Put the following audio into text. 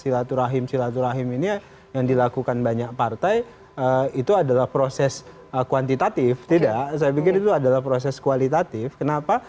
silaturahim silaturahim ini yang dilakukan banyak partai itu adalah proses kuantitatif tidak saya pikir itu adalah proses kualitatif kenapa